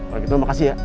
oleh gitu makasih ya